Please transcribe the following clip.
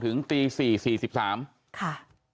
ถึงตีสี่สิบสามค่ะ